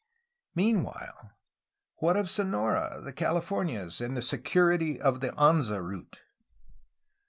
Meanwhile, what of Sonora, the Californias, and the security of the Anza route?